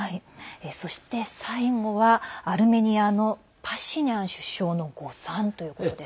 そして最後はアルメニアのパシニャン首相の誤算ということです。